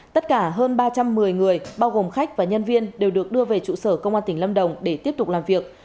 tất cả hơn ba trăm một mươi người bao gồm khách và nhân viên đều được đưa về trụ sở công an tỉnh lâm đồng để tiếp tục làm việc